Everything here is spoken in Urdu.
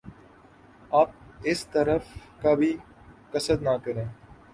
آپ اس طرف کا کبھی قصد نہ کریں